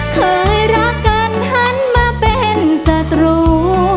เคยรักกันหันมาเป็นศัตรู